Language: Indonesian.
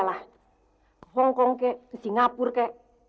ke hongkong ke singapura